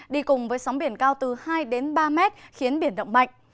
đi cùng với sóng biển cao từ hai đến ba mét khiến biển động mạnh